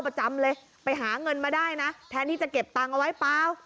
ประจำเลยไปหาเงินมาได้นะแทนที่จะเก็บตังค์เอาไว้เปล่า